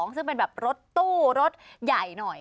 ซึ่งเป็นแบบรถตู้รถใหญ่หน่อย